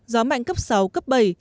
gió mạnh cấp sáu cấp bảy